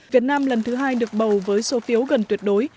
việt nam lần thứ hai được bầu với số phiếu gần tuyệt đối